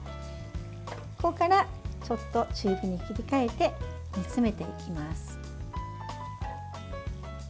ここから、ちょっと中火に切り替えて煮詰めていきます。